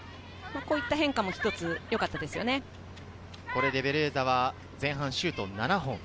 こういった変化もよかっベレーザは前半、シュート７本。